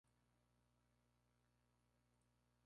En Rusia, es valioso como cinturón protector de las granjas.